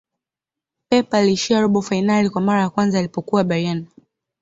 pep aliishia robo fainali kwa mara ya kwanza alipokuwa bayern